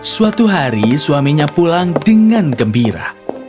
suatu hari suaminya pulang dengan gembira